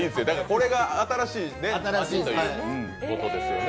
これが新しい味ということですよね。